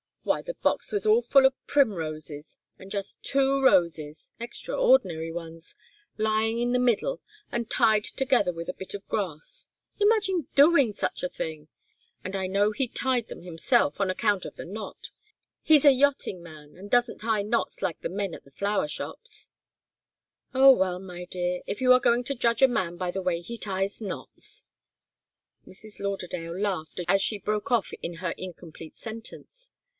"Why, the box was all full of primroses, and just two roses extraordinary ones lying in the middle and tied together with a bit of grass. Imagine doing such a thing! And I know he tied them himself, on account of the knot. He's a yachting man, and doesn't tie knots like the men at the flower shops." "Oh, well, my dear if you are going to judge a man by the way he ties knots " Mrs. Lauderdale laughed as she broke off in her incomplete sentence.